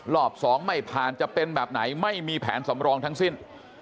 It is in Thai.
รอบสองไม่ผ่านจะเป็นแบบไหนไม่มีแผนสำรองทั้งสิ้น